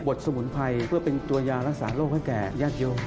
ดสมุนไพรเพื่อเป็นตัวยารักษาโรคให้แก่ญาติโยม